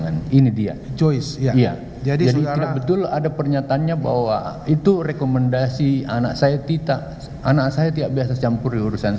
tidak dibawa kementan siapa yang suruh